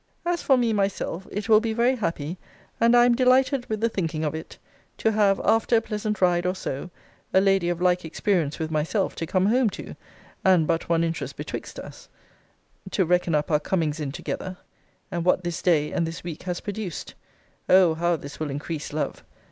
As for me myself, it will be very happy, and I am delighted with the thinking of it, to have, after a pleasant ride, or so, a lady of like experience with myself to come home to, and but one interest betwixt us: to reckon up our comings in together; and what this day and this week has produced O how this will increase love!